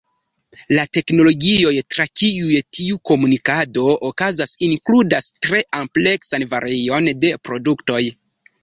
La teknologioj tra kiuj tiu komunikado okazas inkludas tre ampleksan varion de produktoj.